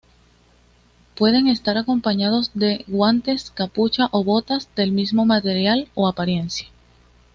Pueden estar acompañados de guantes, capucha o botas del mismo material o apariencia.